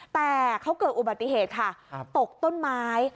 แต่เขาเกิดอุบัติเหตุค่ะตกต้นไม้